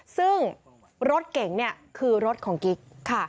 ซึ่งรถเก่งเนี่ยคือรถของกิ๊กค่ะ